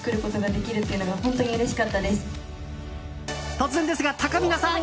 突然ですが、たかみなさん。